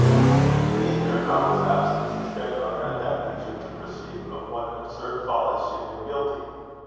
Indeed, during Robert's absence, his grandmother had had leisure to perceive of what an absurd folly she had been guilty.